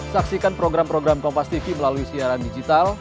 saksikan program program kompas tv melalui siaran digital